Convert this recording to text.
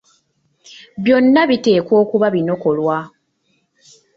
Byonna biteekwa okuba binokolwa.